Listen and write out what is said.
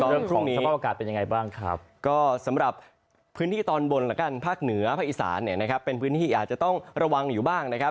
เรื่องของเช้าบ้านอวกาศเป็นยังไงบ้างครับ